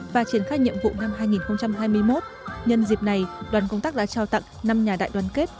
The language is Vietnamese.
và triển khai nhiệm vụ năm hai nghìn hai mươi một nhân dịp này đoàn công tác đã trao tặng năm nhà đại đoàn kết